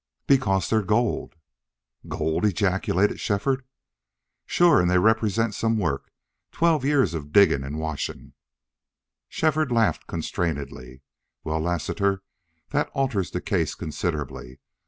"Because they're gold." "Gold!" ejaculated Shefford. "Shore. An' they represent some work. Twelve years of diggin' an' washin'!" Shefford laughed constrainedly. "Well, Lassiter, that alters the case considerably.